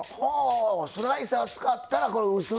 スライサー使ったらこれ薄うなって。